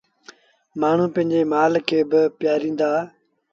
مآڻهوٚٚݩ پنڊري مآل کي با پيٚآريندآ